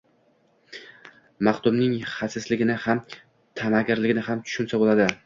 Maxdumning xasisligini ham, tamagirligini ham tushunsa bo’ladi.